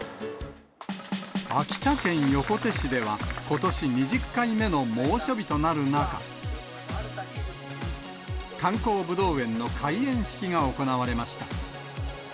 秋田県横手市では、ことし２０回目の猛暑日となる中、観光ぶどう園の開園式が行われました。